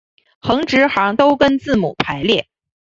横直行都跟字母排列。